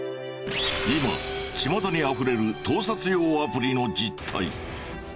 今ちまたにあふれる盗撮用アプリの実態。